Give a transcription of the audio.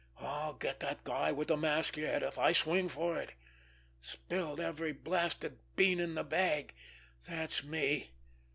I'll get that guy with the mask yet, if I swing for it. Spilled every blasted bean in the bag—that's me!"